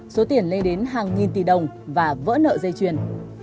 số tiền lên đến hàng nghìn tỷ đồng và vỡ nợ dây chuyền